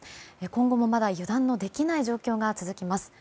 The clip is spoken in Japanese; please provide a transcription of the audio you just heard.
今後もまだ油断のできない状況が続きます。